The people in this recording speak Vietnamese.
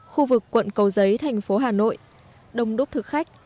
khu vực quận cầu giấy thành phố hà nội đông đúc thực khách